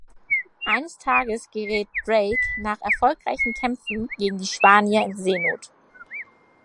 Eines Tages gerät Drake nach erfolgreichen Kämpfen gegen die Spanier in Seenot.